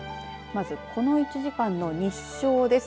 まずこの１時間の日照です。